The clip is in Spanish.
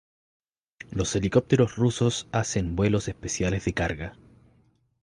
Los helicópteros rusos hacen vuelos especiales de carga.